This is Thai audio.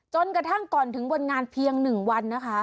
จนกระทั่งก่อนถึงวันงานเพียง๑วันนะคะ